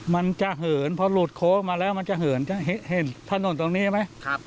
มันจะเหินพอหลุดโค้งมาแล้วมันจะเหินจะเห็นถนนตรงนี้ใช่ไหม